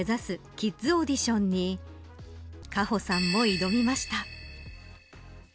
キッズオーディションに果歩さんも挑みました。